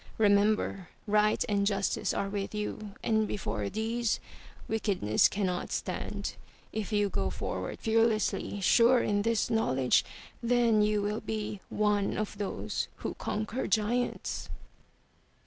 Remember Right and Justice are with you and before these, Wickedness cannot stand. If you go forward fearlessly, sure in this knowledge, then you will be one of those who conquer giants.'